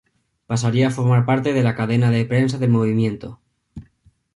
Pasaría a formar parte de la Cadena de Prensa del Movimiento.